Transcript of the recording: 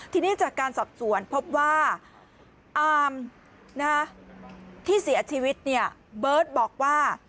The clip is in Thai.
ทีนี้จากการสอบสวนพบว่าอามที่เสียชีวิตเนี่ยเบิร์ตบอกว่า